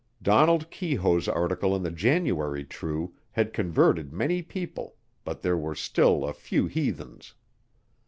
Donald Keyhoe's article in the January True had converted many people but there were still a few heathens.